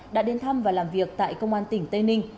đã đến thăm và làm việc tại công an tỉnh tây ninh